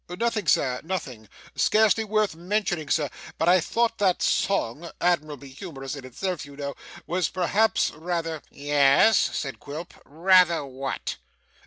'Nothing Sir nothing. Scarcely worth mentioning Sir; but I thought that song admirably humorous in itself you know was perhaps rather ' 'Yes,' said Quilp, 'rather what?